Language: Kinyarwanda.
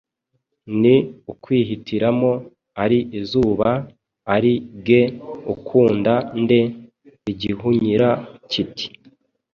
ni ukwihitiramo. Ari izuba, ari ge ukunda nde?” Igihunyira kiti: